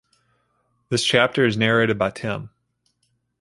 This chapter is narrated by Tim.